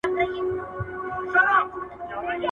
ایډیالوژیک جنګونه تر فزیکي جنګونو زیات ویجاړونکي دي.